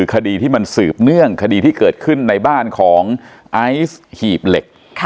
คดีที่มันสืบเนื่องคดีที่เกิดขึ้นในบ้านของไอซ์หีบเหล็ก